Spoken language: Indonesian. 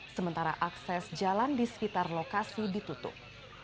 sementara akses jalan di sekitar lokasi ditutup